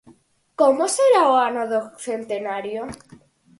Como será o ano do centenario?